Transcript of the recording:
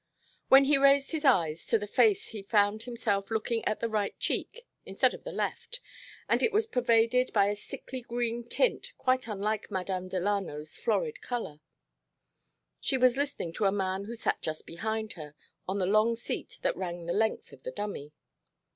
When he raised his eyes to the face he found himself looking at the right cheek instead of the left, and it was pervaded by a sickly green tint quite unlike Madame Delano's florid color. She was listening to a man who sat just behind her on the long seat that ran the length of the dummy.